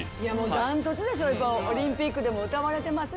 断トツでしょオリンピックでも歌われてますしね。